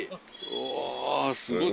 うわすごい。